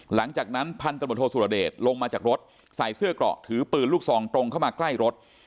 หลังจากนั้นพันธบทโทสุรเดชลงมาจากรถใส่เสื้อเกราะถือปืนลูกซองตรงเข้ามาใกล้รถ